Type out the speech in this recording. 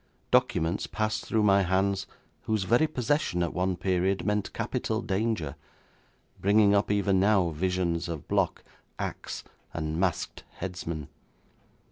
Documents passed through my hands whose very possession at one period meant capital danger, bringing up even now visions of block, axe, and masked headsman.